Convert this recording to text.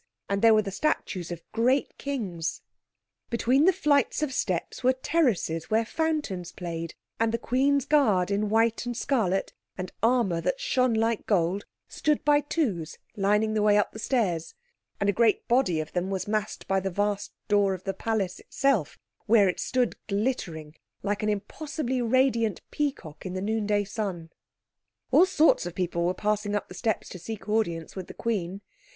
And there were the statues of great kings. Between the flights of steps were terraces where fountains played, and the Queen's Guard in white and scarlet, and armour that shone like gold, stood by twos lining the way up the stairs; and a great body of them was massed by the vast door of the palace itself, where it stood glittering like an impossibly radiant peacock in the noon day sun. All sorts of people were passing up the steps to seek audience of the Queen.